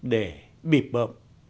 để bị bộ